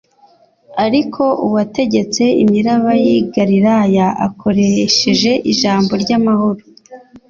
Ariko uwategetse imiraba y'i Galilaya akoresheje ijambo ry'amahoro,